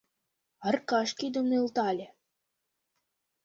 — Аркаш кидым нӧлтале.